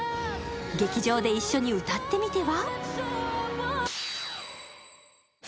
劇場で一緒に歌ってみては？